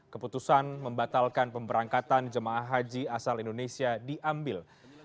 keputusan membatalkan pemberangkatan jemaah haji asal indonesia diambil